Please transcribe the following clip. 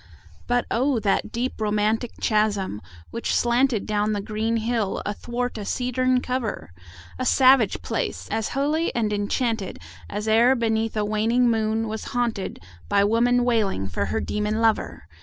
But O, that deep romantic chasm which slanted Down the green hill athwart a cedarn cover! A savage place! as holy and enchanted As e'er beneath a waning moon was haunted 15 By woman wailing for her demon lover!